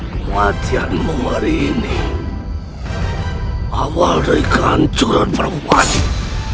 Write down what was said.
kematianmu hari ini awal dari kehancuran perempuan